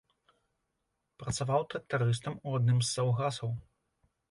Працаваў трактарыстам у адным з саўгасаў.